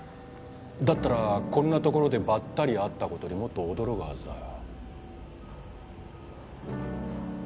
だったらこんな所でばったり会った事にもっと驚くはずだよ。